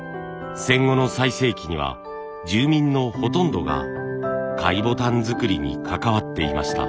戦後の最盛期には住民のほとんどが貝ボタン作りに関わっていました。